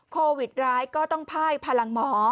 โควิดร้ายก็ต้องพ่ายพลังหมอ